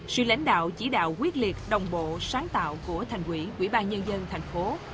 sự lãnh đạo chỉ đạo quyết liệt đồng bộ sáng tạo của thành quỹ quỹ ban nhân dân thành phố